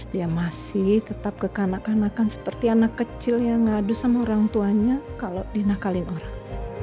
dia masih tetap ke kanak kanakan seperti anak kecil yang ngadu sama orang tuanya kalau dinakalin orang